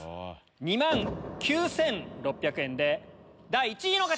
２万９６００円で第１位の方！